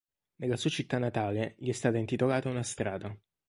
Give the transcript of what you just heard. Nella sua città natale gli è stata intitolata una strada.